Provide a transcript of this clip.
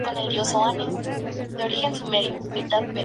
Las orillas del lago Lemán son sin embargo más templadas.